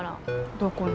どこに？